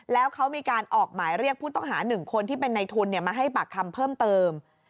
แล้วเขามีการออกหมายเรียกผู้ต้องหา๑คนที่เป็นในทุนมาให้ปากคำเพิ่มเติม